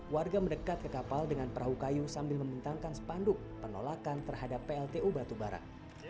warga mendekat ke kapal dengan perahu kayu sambil membentangkan sepanduk penolakan terhadap pltu batubara